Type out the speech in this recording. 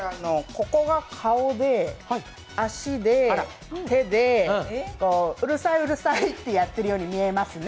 ここが顔で、足で、手で、うるさい、うるさいってやってるように見えますね！